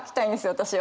私は。